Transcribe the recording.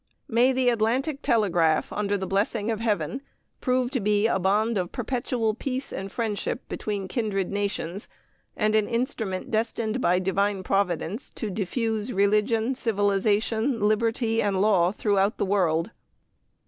May the Atlantic Telegraph, under the blessing of Heaven, prove to be a bond of perpetual peace and friendship between the kindred nations, and an instrument destined by Divine Providence to diffuse religion, civilization, liberty, and law throughout the world.